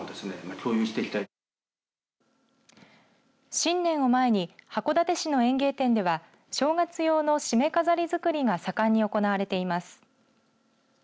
新年を前に函館市の園芸店では正月用のしめ飾り作りが盛んに行われています。